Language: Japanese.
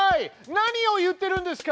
何を言ってるんですか！